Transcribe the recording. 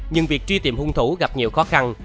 nhưng việc truy tìm hung thủ gặp nhiều khó khăn